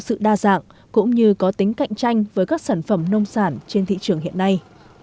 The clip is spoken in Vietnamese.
sự đa dạng cũng như có tính cạnh tranh với các sản phẩm nông sản trên thị trường hiện nay